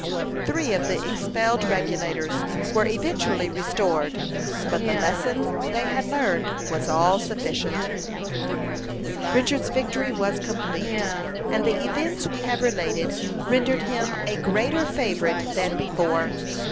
Three of the expelled Regulators were eventually restored, but the lesson they had learned was all sufficient. Richard's victory was complete; and the events we have related rendered him a greater favorite than before.